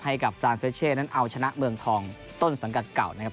ให้กับซานเฟชเช่นั้นเอาชนะเมืองทองต้นสังกัดเก่านะครับ